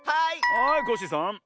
はいコッシーさん。